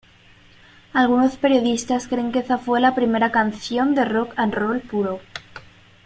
Algunos periodistas creen que esta fue la primera canción de Rock 'n Roll puro.